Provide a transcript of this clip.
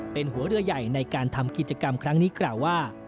เป็นหัวเรือใหญ่ในการทำกิจกรรมครั้งนี้กล่าวว่า